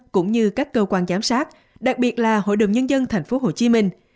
cũng như các cơ quan giám sát đặc biệt là hội đồng nhân dân thành phố hồ chí minh